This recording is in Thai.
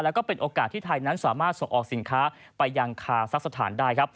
แล้วก็เป็นโอกาสที่ไทยนั้นสามารถส่งออกสินค้าไปยังคาซักสถานได้ครับ